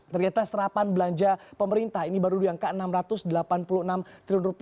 ternyata serapan belanja pemerintah ini baru di angka rp enam ratus delapan puluh enam triliun